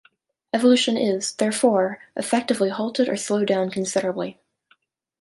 Evolution is, therefore, effectively halted or slowed down considerably.